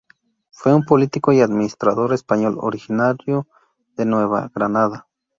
Fue un político y administrador español, originario de Nueva Granada.